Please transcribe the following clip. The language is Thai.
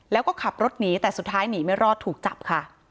แล้วก็ขับรถหนีแต่สุดท้ายหนีไม่รอดถูกจับค่ะ